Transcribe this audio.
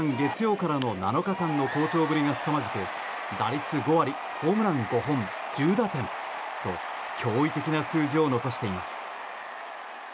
日本時間月曜からの７日間の好調ぶりはすさまじく打率５割ホームラン５本、１０打点と驚異的な数字を残しています。